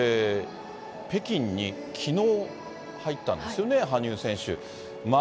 北京にきのう入ったんですよね、羽生選手。